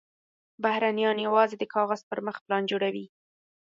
بهرنیان یوازې د کاغذ پر مخ پلان جوړوي.